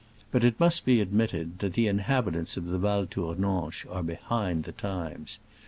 But it must be admitted that the inhabitants of the Val Tournanche are behind the times.